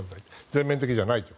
全面的じゃないと。